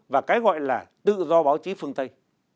và cái gọi là tự do báo chí phương tây